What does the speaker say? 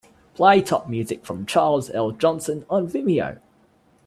Play top music from Charles L. Johnson on vimeo